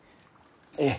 ええ。